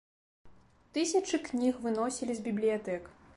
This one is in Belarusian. Тысячы кніг выносілі з бібліятэк.